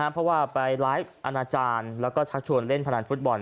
เพราะว่าไปไลฟ์อาณาจารย์แล้วก็ชักชวนเล่นพนันฟุตบอล